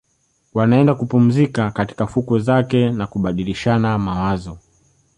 Wanaenda kupumzika katika fukwe zake na kubadilishana mawazo